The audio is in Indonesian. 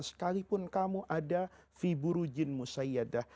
sekalipun kamu ada fi buru jin musayyadah